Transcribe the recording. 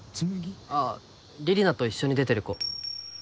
あぁ李里奈と一緒に出てる子。